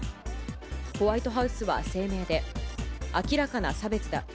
ホワイトハウスは声明で、明らかな差別だ。